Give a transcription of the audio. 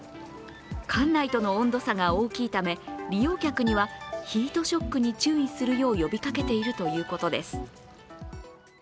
館内との温度差が大きいため、利用客にはヒートショックに注意するよう呼びかけているということです。